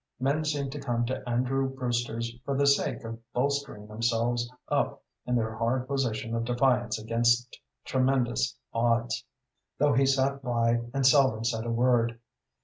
Men seemed to come to Andrew Brewster's for the sake of bolstering themselves up in their hard position of defiance against tremendous odds, though he sat by and seldom said a word.